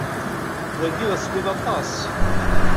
Dagi d asemmiḍ aṭas.